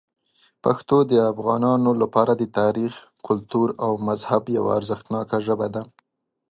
پښتو د افغانانو لپاره د تاریخ، کلتور او مذهب یوه ارزښتناک ژبه ده.